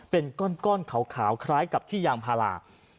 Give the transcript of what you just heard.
เป็นก้อนขาวคล้ายกับขี้ยางพารา